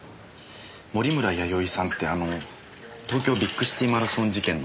守村やよいさんってあの東京ビッグシティマラソン事件の。